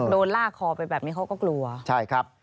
ลากคอไปแบบนี้เขาก็กลัวใช่ครับ